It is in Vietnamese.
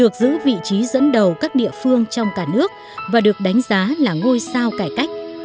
chỉ dẫn đầu các địa phương trong cả nước và được đánh giá là ngôi sao cải cách